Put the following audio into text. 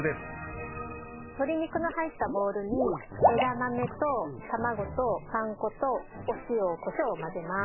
鶏肉の入ったボウルに枝豆と卵とパン粉とお塩コショウを混ぜます。